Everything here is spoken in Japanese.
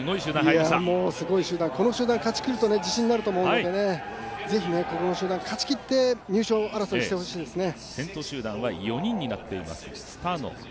すごい集団、この集団を勝ちきると自信になると思いますので、この集団を勝ちきって入賞争いをしてほしいですね。